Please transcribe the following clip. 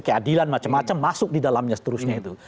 keadilan macam macam masuk didalamnya seterusnya itu